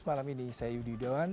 malam ini saya yudi yudawan